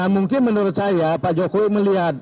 mungkin menurut saya pak jokowi melihat